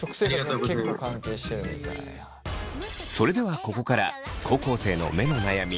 それではここから高校生の目の悩み